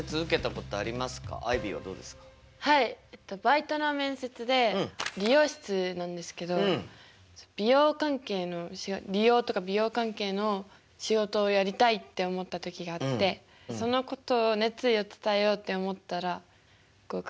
バイトの面接で理容室なんですけど美容関係の理容とか美容関係の仕事をやりたいって思った時があってそのことを熱意を伝えようって思ったら合格。